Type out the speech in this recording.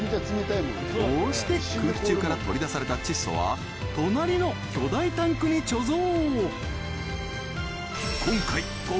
こうして空気中から取り出された窒素は隣の巨大タンクに貯蔵